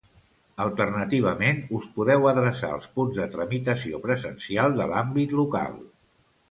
Alternativament, us podeu adreçar als punts de tramitació presencial de l'àmbit local.